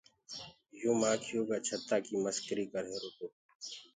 يو مآکيو ڪآ ڇتآ ڪي مسڪري ڪر رهيرو تو۔